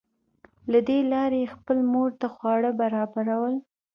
له دې لارې یې خپلې مور ته خواړه برابرول